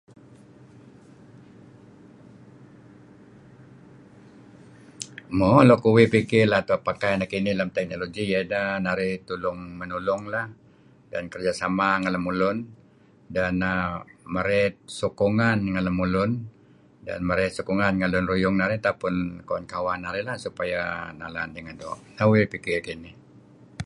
Mo uih pikir luk lem nekinih tauh pakai teknologi iyah inah narih tulung menolong lah dan kerja sama ngen lemulun dan marey sokongan ngen lemulun dan marey sokonhan ngen lun ruyung narih kawan-kawan narih supaya nalang dengan doo'. Nah pikir kuh kinih.